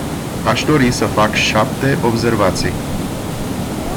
Aș dori să fac șapte observații.